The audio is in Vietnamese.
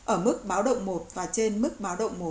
ở mức báo động một và trên mức báo động một